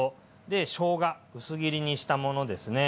でしょうが薄切りにしたものですね。